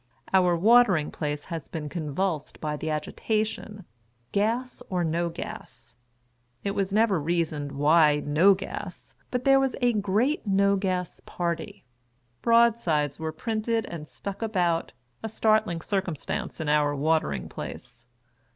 Our Watering Place has been convulsed by the agitation, Gas or No Gas. It was never reasoned why No Gas, but there was a great No Gas party. Broadsides were printed and stuck about — a startling circumstance in our Watering Place.